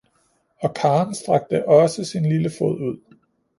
Og karen strakte også sin lille fod ud